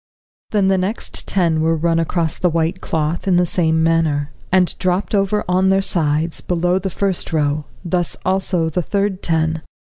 Then the next ten were run across the white cloth in the same manner, and dropped over on their sides below the first row; thus also the third ten.